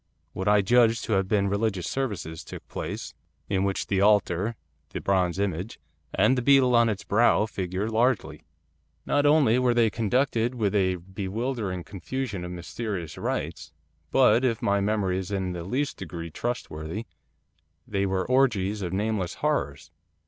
What I judge to have been religious services took place; in which the altar, the bronze image, and the beetle on its brow, figure largely. Not only were they conducted with a bewildering confusion of mysterious rites, but, if my memory is in the least degree trustworthy, they were orgies of nameless horrors.